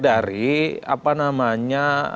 dari apa namanya